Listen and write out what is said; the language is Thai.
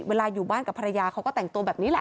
อยู่บ้านกับภรรยาเขาก็แต่งตัวแบบนี้แหละ